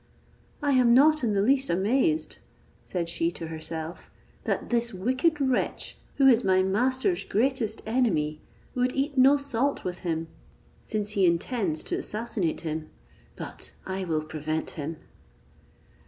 "I am not in the least amazed," said she to herself, "that this wicked wretch, who is my master's greatest enemy, would eat no salt with him, since he intends to assassinate him; but I will prevent him".